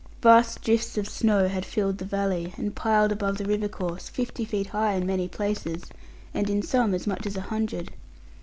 Vast drifts of snow had filled the valley, and piled above the river course, fifty feet high in many places, and in some as much as a hundred.